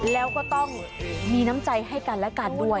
แล้วก็ต้องมีน้ำใจให้กันและกันด้วย